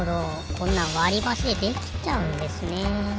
こんなんわりばしでできちゃうんですね。